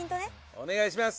お願いします！